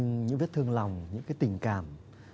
những viết thương lòng những cái tình cảm